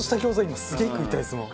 今すげえ食いたいですもん。